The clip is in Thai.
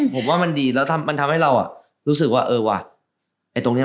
เหล่านุคเลยเนี้ย